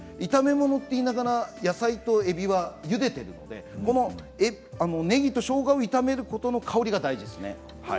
炒め物といいながら野菜とえびは、ゆでているのでねぎとしょうがを炒めることの香りが大事ですね。